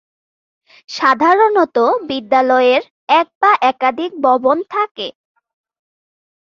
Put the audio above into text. সাধারণত বিদ্যালয়ের এক বা একাধিক ভবন থাকে।